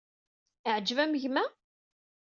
Iɛǧeb-am gma?